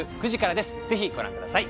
ぜひご覧ください。